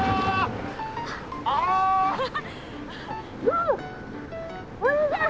わっお兄ちゃん！